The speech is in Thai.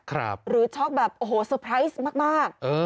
ครับหรือช็อคแบบโอ้โหมากมากเออ